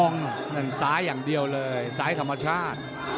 นั่นซ้ายอย่างเดียวเลยซ้ายธรรมชาติ